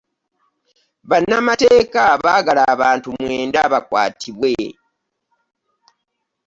Bannamateeka baagala abantu mwenda bakwatibwe.